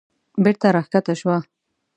بېرته راکښته شوه.